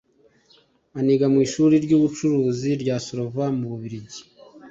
aniga mu ishuri ry’ubucuruzi rya Solvay mu Bubiligi